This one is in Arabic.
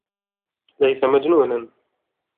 ليس مجنونا.